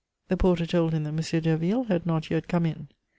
The porter told him that Monsieur Derville had not yet come in.